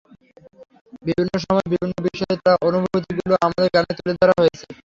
বিভিন্ন সময় বিভিন্ন বিষয়ে তাঁর অনুভূতিগুলো আমাদের গানে তুলে ধরা হয়েছে।